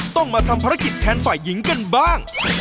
ต้องมาทำภารกิจแทนฝ่ายหญิงกันบ้าง